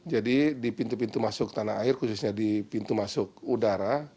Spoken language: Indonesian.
jadi di pintu pintu masuk tanah air khususnya di pintu masuk udara